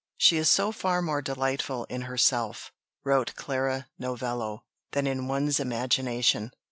"She is so far more delightful in herself," wrote Clara Novello, "than in one's imagination."